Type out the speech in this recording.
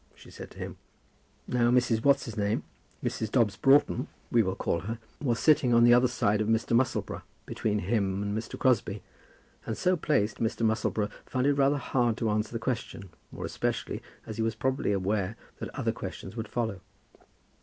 she said to him. Now Mrs. What's his name, Mrs. Dobbs Broughton we will call her, was sitting on the other side of Mr. Musselboro, between him and Mr. Crosbie; and, so placed, Mr. Musselboro found it rather hard to answer the question, more especially as he was probably aware that other questions would follow.